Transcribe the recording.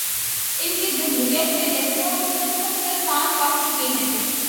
ان کے جمہوریت پہ لیکچروں کو سن سن کے کان پک چکے تھے۔